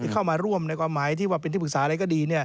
เข้ามาร่วมในความหมายที่ว่าเป็นที่ปรึกษาอะไรก็ดี